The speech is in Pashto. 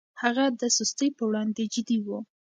هغه د سستي پر وړاندې جدي و.